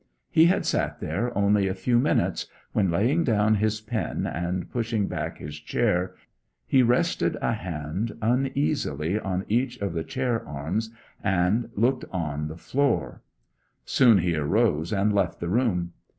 He had sat there only a few minutes, when, laying down his pen and pushing back his chair, he rested a hand uneasily on each of the chair arms and looked on the floor. Soon he arose and left the room.